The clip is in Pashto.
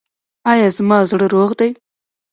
ایا زما زړه روغ دی؟